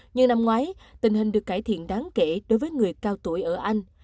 như năm ngoái tình hình được cải thiện đáng kể đối với người cao tuổi ở anh